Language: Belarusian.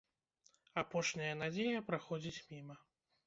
Апошняя надзея праходзіць міма.